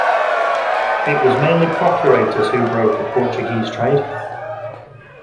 It was mainly procurators who brokered Portuguese trade.